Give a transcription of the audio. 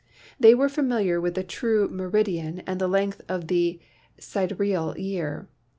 They were familiar with the true meridian and the length of the sidereal year.